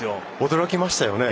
驚きましたよね。